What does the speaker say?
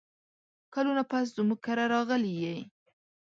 کلونه پس زموږ کره راغلې یې !